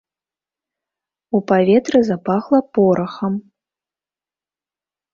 У паветры запахла порахам.